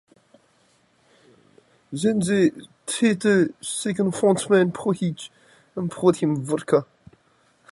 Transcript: Then they treat the second Frenchman porridge and poured him vodka.